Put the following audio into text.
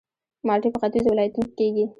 مالټې په ختیځو ولایتونو کې کیږي